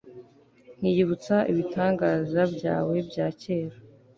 nkiyibutsa ibitangaza byawe bya kera